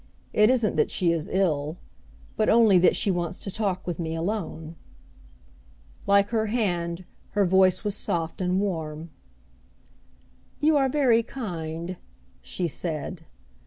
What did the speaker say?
It isn't that she is ill, but only that she wants to talk with me alone." Like her hand, her voice was soft and warm. "You are very kind," she said.